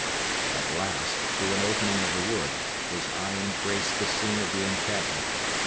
At last, through an opening of the wood, his eye embraced the scene of the encampment.